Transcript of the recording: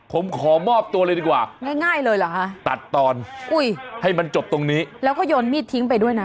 ผมขอมอบตัวเลยดีกว่าตัดตอนให้มันจบตรงนี้แล้วก็โยนมีดทิ้งไปด้วยนะ